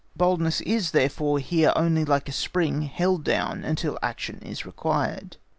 Boldness is therefore here only like a spring held down until its action is required.